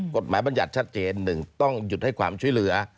บรรยัติชัดเจน๑ต้องหยุดให้ความช่วยเหลือ